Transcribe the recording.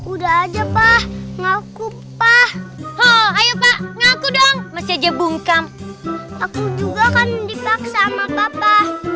udah aja pak ngaku pak ho ayo pak ngaku dong masih aja bungkam aku juga kan dipaksa sama papa